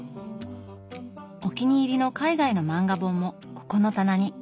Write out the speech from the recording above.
お気に入りの海外の漫画本もここの棚に。